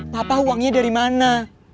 papa uangnya dari mana